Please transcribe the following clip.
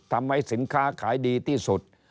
ทำให้สินค้าขายดีที่สุด